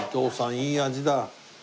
いい味だ。